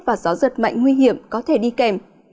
và gió giật mạnh nguy hiểm có thể đi kèm